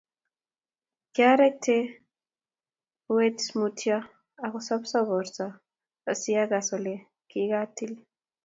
Kiareekte uet mutyo ak asosop borta asi akas ole kikakitil.